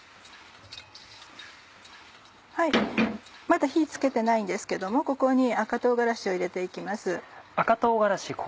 まだ火付けてないんですけどもここに赤唐辛子を入れて行きます。